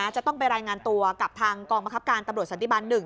จะต้องไปรายงานตัวกับทางกองมหักครับการตำรวจสัตว์ศัลดิบาลหนึ่ง